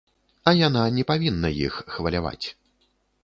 А яна не павінна іх хваляваць.